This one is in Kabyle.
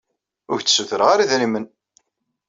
Ur ak-d-ssutreɣ ara idrimen.